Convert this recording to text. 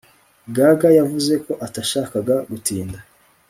gaga yavuze ko atashakaga gutinda